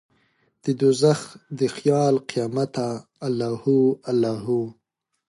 ددوږخ د خیال قیامته الله هو، الله هو